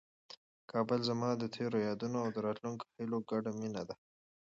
کابل زما د تېرو یادونو او د راتلونکي هیلو ګډه مېنه ده.